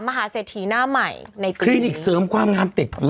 มหาเศรษฐีหน้าใหม่ในคลินิกเสริมความงามติดเหรอ